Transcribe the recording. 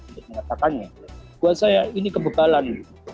buat saya ini kebebalan